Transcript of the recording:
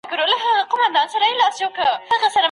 پخواني حکومت قانون ته بشپړ درناوی نه کاوه.